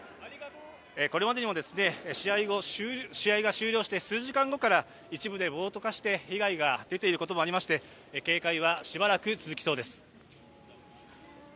これまでにも試合が終了して数時間後から一部で暴徒化して被害が出ていることもありまして、警戒はしばらく続きそうです。